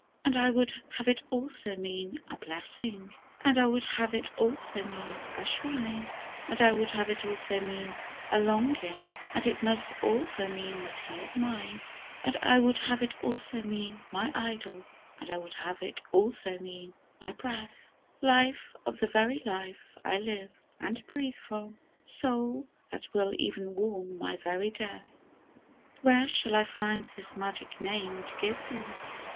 And I would have it also mean " a Blessing" And I would have it also mean a Shrine,'' And I would have it also mean " a Longing" And it must also mean that he is mi?ie I His Name, 63 And I would have it also mean " my Idol^' And I would have it also mean " my breath^^ Life of the very life I live and breathe from, Soul, that will even warm my very death ! Where shall I find this magic name to give him?